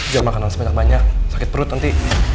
jangan makan anak sebanyak banyak sakit perut nanti